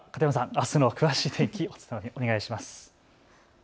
あすの詳しい天気、お願いします。